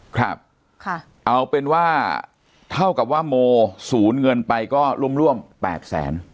ครับค่ะเอาเป็นว่าเท่ากับว่าโมสูญเงินไปก็ร่วมร่วม๘แสน